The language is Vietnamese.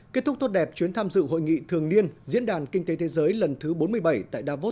kết thúc tốt đẹp chuyến tham dự hội nghị thường niên diễn đàn kinh tế thế giới lần thứ bốn mươi bảy tại davos